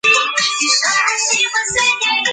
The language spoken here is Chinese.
首府普热梅希尔。